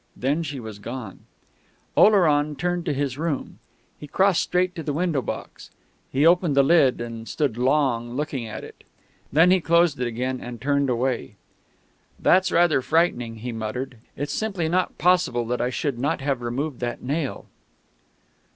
Then she was gone. Oleron returned to his room. He crossed straight to the window box. He opened the lid and stood long looking at it. Then he closed it again and turned away. "That's rather frightening," he muttered. "It's simply not possible that I should not have removed that nail...."